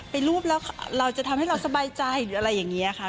รูปแล้วเราจะทำให้เราสบายใจหรืออะไรอย่างนี้ค่ะ